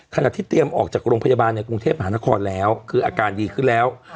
ขณะที่เตรียมออกจากโรงพยาบาลในกรุงเทพหานครแล้วคืออาการดีขึ้นแล้ว